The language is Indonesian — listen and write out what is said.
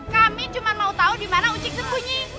kami cuma mau tahu di mana uci sembunyi